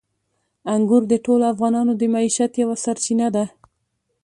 انګور د ټولو افغانانو د معیشت یوه سرچینه ده.